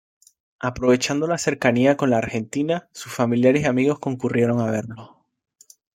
Aprovechando la cercanía con la Argentina, sus familiares y amigos concurrieron a verlo.